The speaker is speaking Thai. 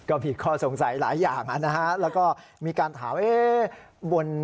ก็มีข้อสงสัยหลายอย่างแล้วก็มีการถาม